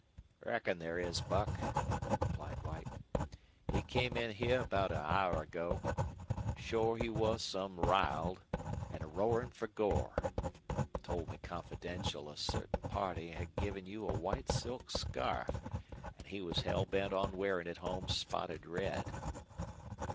"Reckon there is, Buck," replied White. "He came in heah aboot an hour ago. Shore he was some riled an' a roarin' for gore. Told me confidential a certain party had given you a white silk scarf, an' he was hell bent on wearin' it home spotted red."